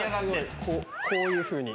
こういうふうに。